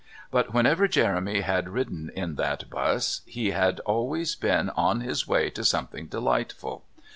But whenever Jeremy had ridden in that bus he had always been on his way to something delightful.